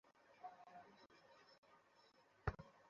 ডেলিভারির সময় আমার নাম বলতে পার।